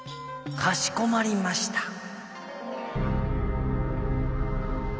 「かしこまりました」。